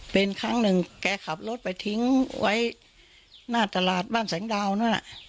เป็นครั้งหนึ่งแกขับรถไปทิ้งไว้หน้าตลาดบ้านแสงดาวนั่นน่ะ